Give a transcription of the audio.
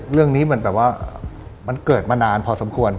เรื่องนี้เหมือนแบบว่ามันเกิดมานานพอสมควร